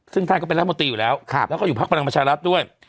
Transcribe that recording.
ซึ่งท่านก็เป็นแล้วมติอยู่แล้วครับแล้วก็อยู่พรรคบริมัชชาลักษณะด้วย